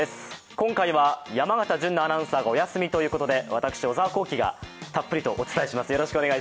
今回は山形純菜アナウンサーがお休みということで私、小沢光葵がたっぷりとお伝えします。